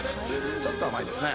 ちょっと甘いですね。